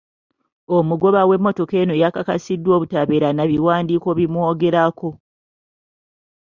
Omugoba w'emmotoka eno yakakasiddwa obutabeera na biwandiiko ebimwogerako.